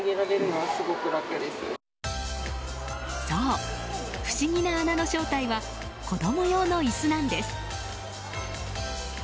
そう、不思議な穴の正体は子供用の椅子なんです。